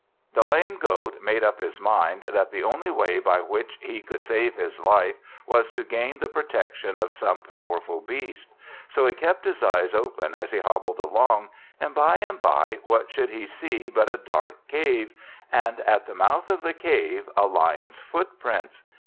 The lame Goat made up his mind that the only way by which he could save his life was to gain the protection of some powerful beast. So he kept his eyes open as he hobbled along; and, by and by, what should he see but a dark cave, and at the mouth of the cave, a Lion's footprints.